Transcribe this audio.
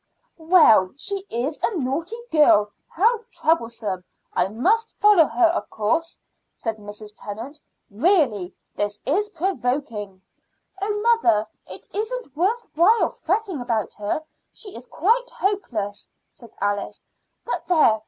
"Well, she is a naughty girl. How troublesome! I must follow her, of course," said Mrs. Tennant. "Really this is provoking." "Oh, mother, it isn't worth while fretting about her. She is quite hopeless," said Alice. "But there!